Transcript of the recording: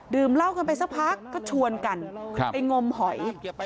เหล้ากันไปสักพักก็ชวนกันไปงมหอย